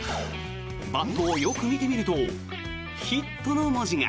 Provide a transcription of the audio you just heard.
バットをよく見てみると「ヒット」の文字が。